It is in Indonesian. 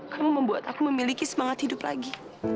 kamu membuat aku memiliki semangat hidup lagi